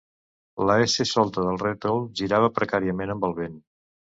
La S solta del rètol girava precàriament amb el vent.